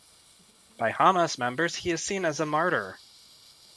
By Hamas members he is seen as a martyr.